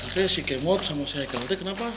katanya si kemot sama si haikal itu kenapa